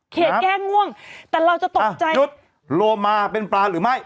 แก้ง่วงแต่เราจะตกใจสุดโลมาเป็นปลาหรือไม่